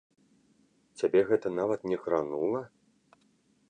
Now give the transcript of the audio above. Цябе гэта нават не кранула?